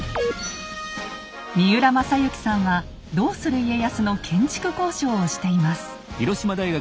三浦正幸さんは「どうする家康」の建築考証をしています。